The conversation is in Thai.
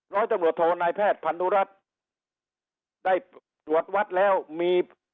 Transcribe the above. ร้อยตำรวจโทนายแพทย์พันธุรัติได้ตรวจวัดแล้วมี